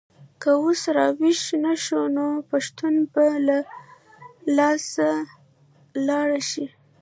که اوس راویښ نه شو نو پښتو به له لاسه لاړه شي.